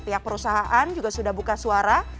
pihak perusahaan juga sudah buka suara